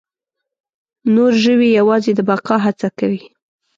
نور ژوي یواځې د بقا هڅه کوي.